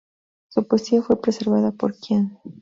Su poesía fue preservada por Qian.